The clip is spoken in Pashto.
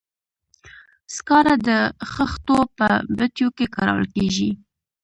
سکاره د خښتو په بټیو کې کارول کیږي.